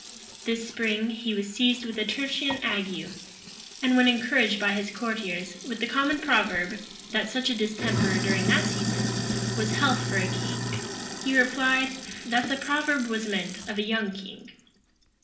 This spring, he was seized with a tertian ague; and, when encouraged by his courtiers with the common proverb, that such a distemper, during that season, was health for a king, he replied, that the proverb was meant of a young king.